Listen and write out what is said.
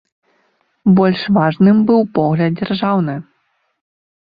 Больш важным быў погляд дзяржаўны.